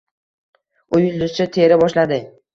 U yulduzcha tera boshladi